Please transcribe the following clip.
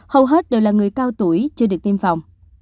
hầu hết đều là người cao tuổi chưa được tiêm phòng